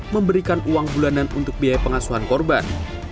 memberikan uang bulanan untuk biaya pengasuhan korban